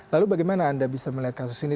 lalu bagaimana anda bisa melihat kasus ini